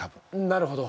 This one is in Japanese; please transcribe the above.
なるほど。